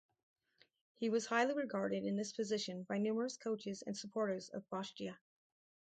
He was highly regarded in this position by numerous coaches and supporters of Bastia.